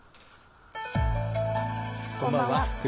こんばんは。